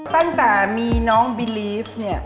ตั้งแต่มีน้องบิลีฟเนี่ย